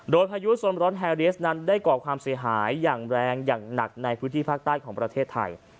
โดยพายุโซนร้อนแฮเรียสนั้นได้ก่อความเสียหายอย่างแรงอย่างหนักในพื้นที่ภาคใต้ของประเทศไทย